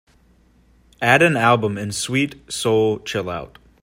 add an album in Sweet Soul Chillout